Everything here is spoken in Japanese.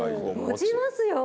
持ちますよ。